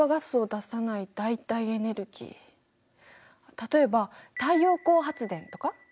例えば太陽光発電とか？